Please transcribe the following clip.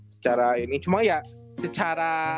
secara ini cuma ya secara